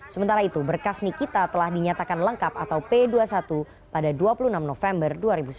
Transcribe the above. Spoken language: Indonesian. sementara itu berkas nikita telah dinyatakan lengkap atau p dua puluh satu pada dua puluh enam november dua ribu sembilan belas